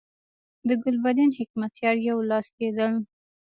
د ګلبدین حکمتیار یو لاس کېدل.